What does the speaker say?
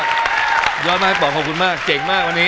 ยอดยอดมากบอกขอบคุณมากเจ๋งมากวันนี้